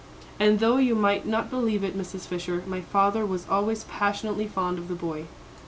And though you might not believe it, Mrs. Fisher, my father was always passionately fond of the boy."